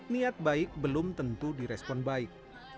niat baik belum tentu di respon baik